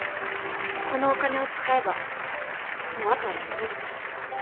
このお金を使えばもう後はなくなります。